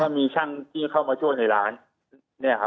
แล้วก็มีช่างที่เข้ามาช่วงในร้าน